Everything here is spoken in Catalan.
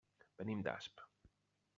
Venim d'Asp.